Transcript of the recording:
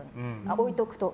置いておくと。